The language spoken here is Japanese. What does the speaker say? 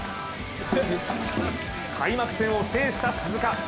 開幕戦を制した鈴鹿。